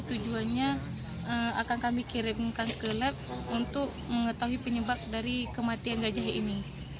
tujuannya akan kami kirimkan ke lab untuk mengetahui penyebab dari kematian gajah ini